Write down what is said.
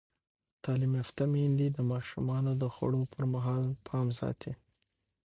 تعلیم یافته میندې د ماشومانو د خوړو پر مهال پام ساتي.